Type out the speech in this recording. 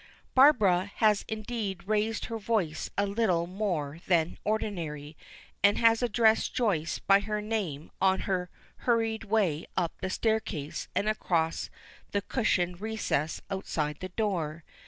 Barbara has indeed raised her voice a little more than ordinary, and has addressed Joyce by her name on her hurried way up the staircase and across the cushioned recess outside the door.